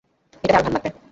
এটাতে আরো ভাল লাগবে।